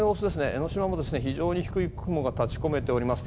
江の島も非常に低い雲が立ち込めています。